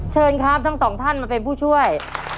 เชิญครับทั้งสองท่านมาเป็นผู้ช่วย